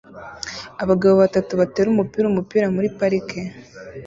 Abagabo batatu batera umupira umupira muri parike